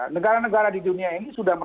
negara negara di dunia ini sudah